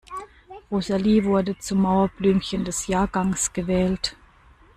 Rosalie wurde zum Mauerblümchen des Jahrgangs gewählt.